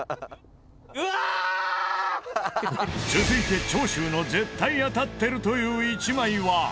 続いて長州の絶対当たってるという１枚は？